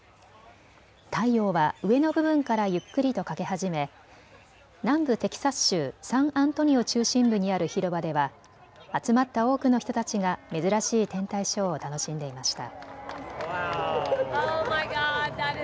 太陽は上の部分からゆっくりと欠け始め南部テキサス州サンアントニオ中心部にある広場では集まった多くの人たちが珍しい天体ショーを楽しんでいました。